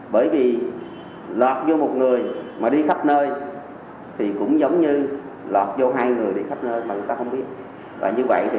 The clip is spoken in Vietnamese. bởi vì sau đó thì gần như toàn bộ lực lượng nó đã đuổi theo